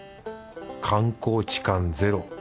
観光地感ゼロ。